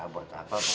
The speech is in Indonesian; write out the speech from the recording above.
buat apa pak